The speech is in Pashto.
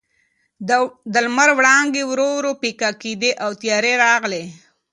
د لمر وړانګې ورو ورو پیکه کېدې او تیارې راغلې.